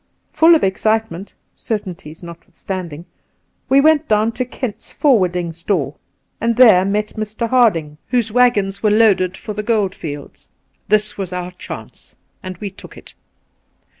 Full of excitement (certainties notwithstanding) we went down to Kent's Forwarding Store, and met there Mr. Harding, whose waggons were loaded 172 The Pool for the gold fields. This was our chance, and we took it.